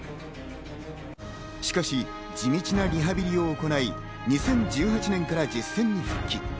しかし地道なリハビリを行い、２０１８年から実戦に復帰。